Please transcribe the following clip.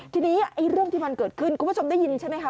ทีนี้เรื่องที่มันเกิดขึ้นคุณผู้ชมได้ยินใช่ไหมคะ